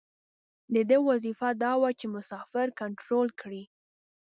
د ده وظیفه دا وه چې مسافر کنترول کړي.